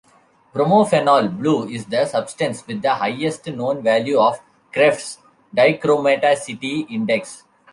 Bromophenol blue is the substance with the highest known value of Kreft's dichromaticity index.